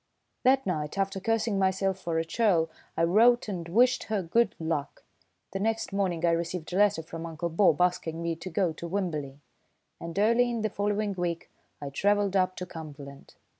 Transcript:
That night, after cursing myself for a churl, I wrote and wished her good luck. The next morning I received a letter from Uncle Bob asking me to go to Wimberley; and early in the following week I travelled up to Cumberland.